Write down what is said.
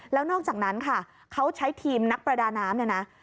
แล้วนอกจากนั้นค่ะเขาใช้ทีมนักประดาน้ำเนี่ยนะ